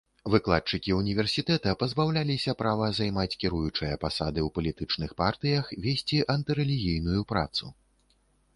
Выкладчыкі універсітэта пазбаўляліся права займаць кіруючыя пасады ў палітычных партыях, весці антырэлігійную працу.